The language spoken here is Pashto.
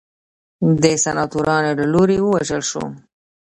د سناتورانو له لوري ووژل شو.